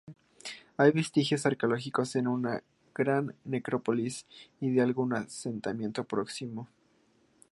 Hay vestigios arqueológicos de una gran necrópolis y de algún asentamiento próximo.